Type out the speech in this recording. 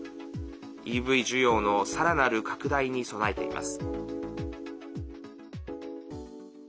ＥＶ需要のさらなる拡大に備えています。